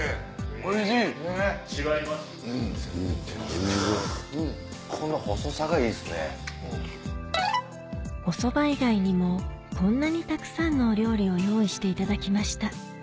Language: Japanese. お蕎麦以外にもこんなにたくさんのお料理を用意していただきました